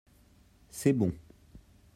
c'est bon.